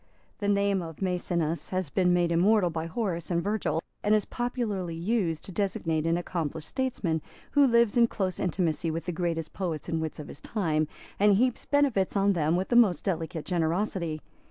The name of Maecenas has been made immortal by Horace and Virgil, and is popularly used to designate an accomplished statesman, who lives in close intimacy with the greatest poets and wits of his time, and heaps benefits on them with the most delicate generosity.